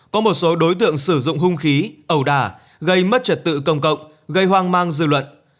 có một số đối tượng sử dụng hung khí ẩu đà gây mất trật tự công cộng gây hoang mang dư luận